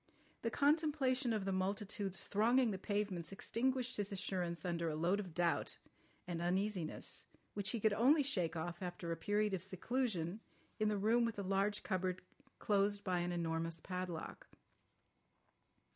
The contemplation of the multitudes thronging the pavements extinguished his assurance under a load of doubt and uneasiness which he could only shake off after a period of seclusion in the room with the large cupboard closed by an enormous padlock.